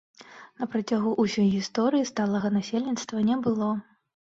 На працягу ўсёй гісторыі сталага насельніцтва не было.